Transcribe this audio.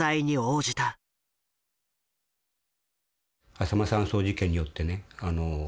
あさま山荘事件によってね